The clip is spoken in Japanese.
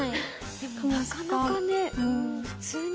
でもなかなかね。